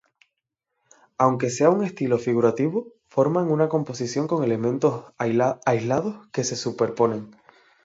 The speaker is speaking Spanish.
Aunque sea un estilo figurativo, forman una composición con elementos aislados que se superponen.